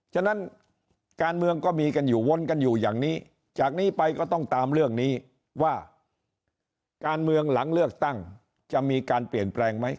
ฉะนั้นการเมืองก็มีกันอยู่วนกันอยู่อย่างนี้จากนี้ไปก็ต้องตามเรื่องนี้ว่าการเมืองหลังเลือกตั้งจะมีการเปลี่ยนแปลงไหม